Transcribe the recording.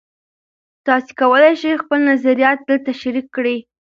تاسي کولای شئ خپل نظریات دلته شریک کړئ.